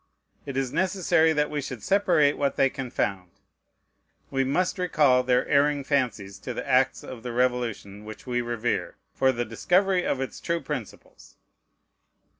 It is necessary that we should separate what they confound. We must recall their erring fancies to the acts of the Revolution which we revere, for the discovery of its true principles.